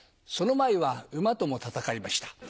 その前は馬とも戦いました。